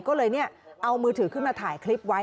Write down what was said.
ก็เลยเอามือถือขึ้นมาถ่ายคลิปไว้